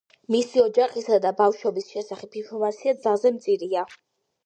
მისი ოჯახისა და ბავშვობის შესახებ ინფორმაცია ძალზედ მწირია.